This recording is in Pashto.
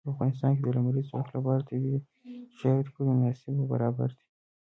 په افغانستان کې د لمریز ځواک لپاره طبیعي شرایط پوره مناسب او برابر دي.